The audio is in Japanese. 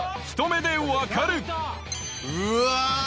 ひと目でわかる‼うわ！